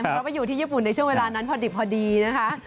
เพราะไปอยู่ที่ญี่ปุ่นในช่วงเวลานั้นพอดิบพอดีนะคะ